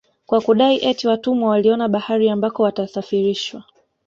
Kwa kudai eti watumwa waliona bahari ambako watasafarishwa